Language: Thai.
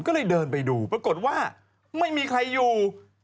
ก็เลยเดินไปดูปรากฏว่าไม่มีใครอยู่